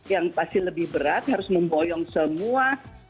yang pasti lebih berat harus memboyong semua